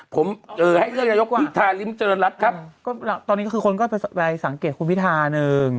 ผมเออให้เรื่องยังยกว่าพิธาริมจรรย์รัฐครับก็ตอนนี้คือคนก็ไปสังเกตคุณพิธาหนึ่ง